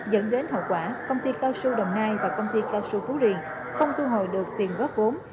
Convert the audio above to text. dẫn đến hậu quả công ty cao su đồng nai và công ty cao su phú riêng không thu hồi được tiền góp vốn